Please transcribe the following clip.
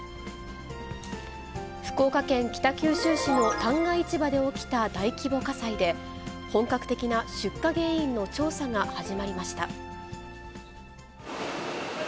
福岡県北九州市の旦過市場で起きた大規模火災で、本格的な出火原因の調査が始まりました。